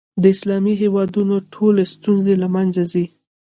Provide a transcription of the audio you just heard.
د اسلامي هېوادونو ټولې ستونزې له منځه ځي.